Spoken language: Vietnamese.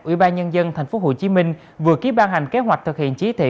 ủy ban nhân dân tp hcm vừa ký ban hành kế hoạch thực hiện chỉ thị